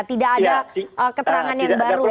tidak ada keterangan yang baru